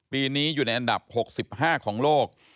ปีนี้อยู่ในอันดับ๖๕ของโลก